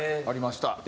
ありました。